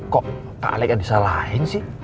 kok pak aleks yang disalahin sih